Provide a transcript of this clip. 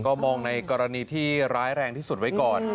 ก็มองในกรณีที่ร้ายแรงที่สุดไว้ก่อน